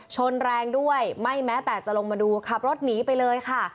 ชนแรงด้วยไม่แม้แต่จะลงมาดูขับรถหนีไปเลยค่ะ